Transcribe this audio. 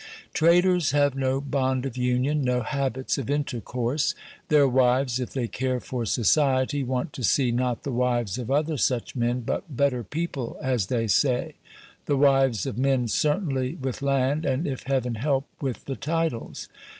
Traders have no bond of union, no habits of intercourse; their wives, if they care for society, want to see not the wives of other such men, but "better people," as they say the wives of men certainly with land, and, if Heaven help, with the titles.